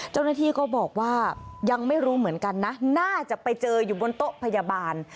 เจ้าหน้าที่ก็บอกว่ายังไม่รู้เหมือนกันนะน่าจะไปเจออยู่บนโต๊ะพยาบาล